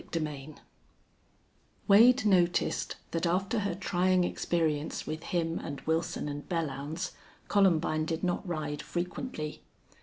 CHAPTER XV Wade noticed that after her trying experience with him and Wilson and Belllounds Columbine did not ride frequently.